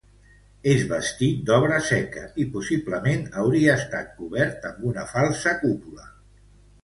És bastit d'obra seca i possiblement hauria estat cobert amb una falsa cúpula.